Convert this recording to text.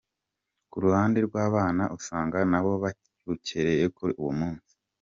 Ku ruhande rw’abana, usanga na bo babukereye kuri uwo munsi.